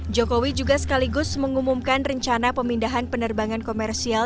jokowi juga sekaligus mengumumkan rencana pemindahan penerbangan komersial